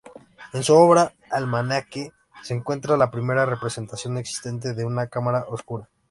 En su obra Almanaque se encuentra la primera representación existente de una cámara oscura.